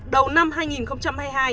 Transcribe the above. đầu năm hai nghìn hai mươi hai